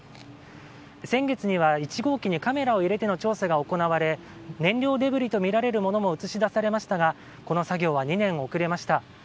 先月には１号機にカメラを入れての調査が行われ燃料デブリとみられるものも映し出されましたがこの作業は２年遅れました。